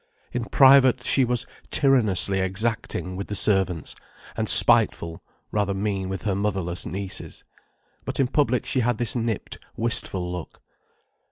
In private, she was tyrannously exacting with the servants, and spiteful, rather mean with her motherless nieces. But in public she had this nipped, wistful look.